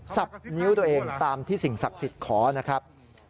สำนิ้วตัวเองตามที่สิ่งศักดิ์สิทธิ์ขอนะครับ